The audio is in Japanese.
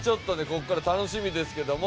ここから楽しみですけども。